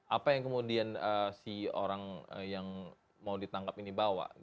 apa yang kemudian si orang yang mau ditangkap ini bawa